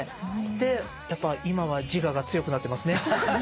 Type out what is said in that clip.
でやっぱ今は自我が強くなってますね。